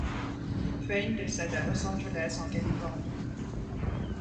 Fain décède à Los Angeles, en Californie.